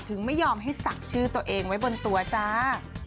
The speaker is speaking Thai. ไม่ยอมให้ศักดิ์ชื่อตัวเองไว้บนตัวจ้า